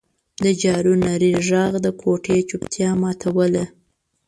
د جارو نري غږ د کوټې چوپتیا ماتوله.